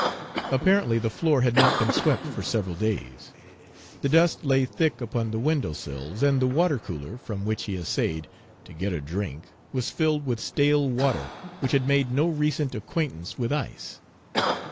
Apparently the floor had not been swept for several days. The dust lay thick upon the window sills, and the water cooler, from which he essayed to get a drink, was filled with stale water which had made no recent acquaintance with ice.